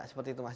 seperti itu mas